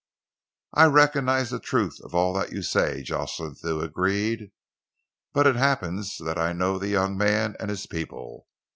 "I recognise the truth of all that you say," Jocelyn Thew agreed, "but it happens that I know the young man and his people.